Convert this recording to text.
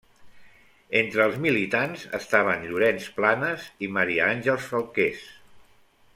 Entre els militants estaven Llorenç Planes i Maria Àngels Falqués.